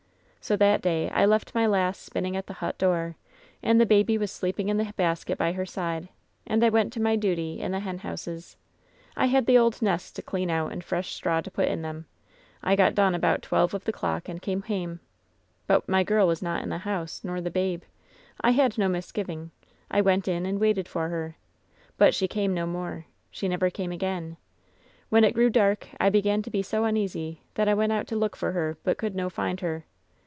"So that day I left my lass spinning at the hut door, and the baby was sleeping in the basket by her side, and I v/ent to my duty in lie hen houses. I had the old nests to clean out and fresh straw to put in them. I got done about twelve of the clock and come hame. "But my girl was not in the house, nor the babe. I had no misgiving. I went in and waited for her. But she came no more. She never came again. When it grew dark I began to be so uneasy that I went out to look for her, but could no find her.